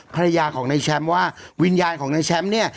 ภรรยาของนายแชมป์ว่าวิญญาณของนายแชมป์เนี่ย